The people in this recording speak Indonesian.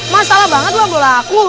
masalah banget loh bolaku